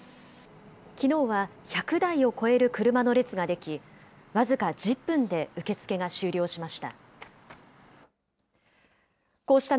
きのうは１００台を超える車の列が出来、僅か１０分で受け付けが終了しました。